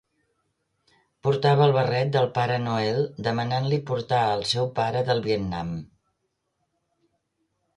Portava el barret del pare Noel demanant-li portar el seu pare del Vietnam.